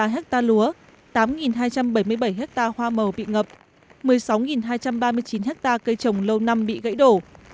bốn bốn trăm bảy mươi ba hectare lúa tám hai trăm bảy mươi bảy hectare hoa màu bị ngập một mươi sáu hai trăm ba mươi chín hectare cây trồng lâu năm bị gãy đổ